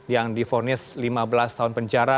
yang difonis lima belas tahun penjara